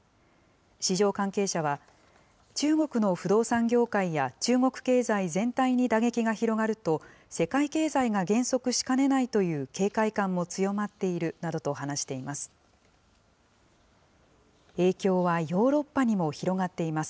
市場関係者は、中国の不動産業界や中国経済全体に打撃が広がると、世界経済が減速しかねないという警戒感も強まっているなどと話しています。